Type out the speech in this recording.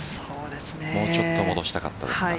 もうちょっと戻したかったですか。